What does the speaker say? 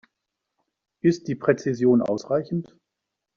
Ist die Präzision ausreichend?